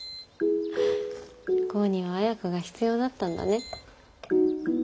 剛には綾花が必要だったんだね。